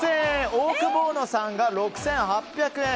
オオクボーノさんが６８００円。